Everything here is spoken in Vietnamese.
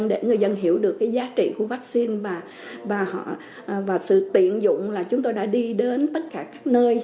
để người dân hiểu được cái giá trị của vaccine và sự tiện dụng là chúng tôi đã đi đến tất cả các nơi